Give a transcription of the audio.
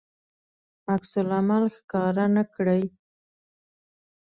عکس العمل ښکاره نه کړي.